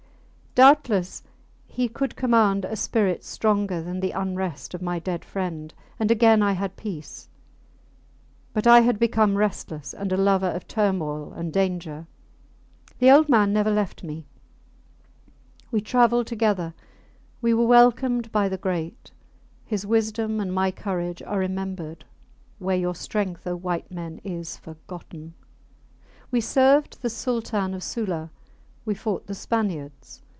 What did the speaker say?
Doubtless he could command a spirit stronger than the unrest of my dead friend, and again I had peace; but I had become restless, and a lover of turmoil and danger. The old man never left me. We travelled together. We were welcomed by the great; his wisdom and my courage are remembered where your strength, O white men, is forgotten! We served the Sultan of Sula. We fought the Spaniards.